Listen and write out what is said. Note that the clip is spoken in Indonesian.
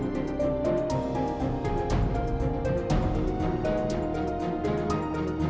jadi menurut saya pak jimmy